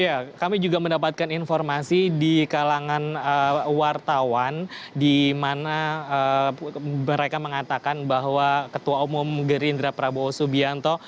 ya kami juga mendapatkan informasi di kalangan wartawan di mana mereka mengatakan bahwa ketua umum gerindra prabowo subianto